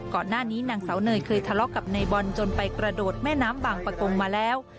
นางสาวเนยเคยทะเลาะกับนายบอลจนไปกระโดดแม่น้ำบางประกงมาแล้ว